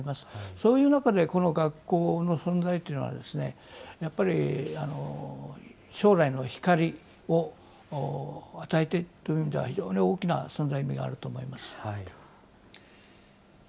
そういう中でこの学校の存在というのは、やっぱり将来の光を与えてるという意味では、大きな存在の意味があると思います。